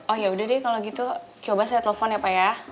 oh yaudah deh kalau gitu coba saya telepon ya pak ya